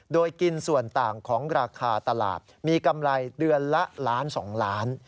โดยกินส่วนต่างของราคาตลาดมีกำไรเดือนละล้าน๒ล้าน